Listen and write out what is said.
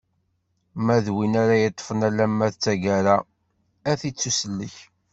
Ma d win ara yeṭṭfen alamma d taggara ad ittusellek.